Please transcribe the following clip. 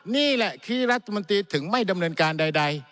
นี่แหละที่รัฐมนตรีถึงไม่ดำเนินการใด